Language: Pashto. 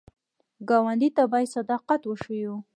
ګاونډي ته باید صداقت وښیو